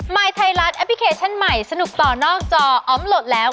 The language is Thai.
ยไทยรัฐแอปพลิเคชันใหม่สนุกต่อนอกจออมโหลดแล้ว